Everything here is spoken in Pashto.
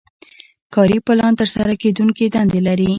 کاري پلان ترسره کیدونکې دندې لري.